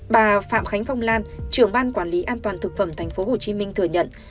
bà phạm khánh phong lan trưởng ban quản lý an toàn thực phẩm tp hcm thừa nhận